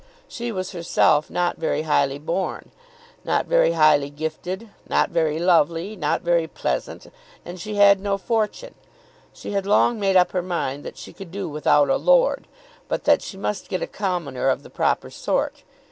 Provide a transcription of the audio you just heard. She was herself not very highly born, not very highly gifted, not very lovely, not very pleasant, and she had no fortune. She had long made up her mind that she could do without a lord, but that she must get a commoner of the proper sort.